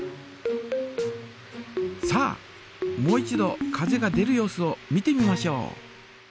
さあもう一度風が出る様子を見てみましょう。